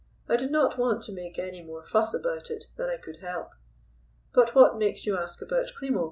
I did not want to make any more fuss about it than I could help. But what makes you ask about Klimo?"